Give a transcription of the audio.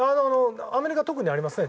アメリカは特にありますね。